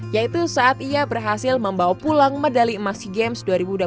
yaitu saat ia berhasil membawa pulang medali emas sea games dua ribu dua puluh